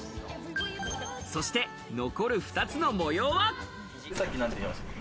そして残る２つの模様は。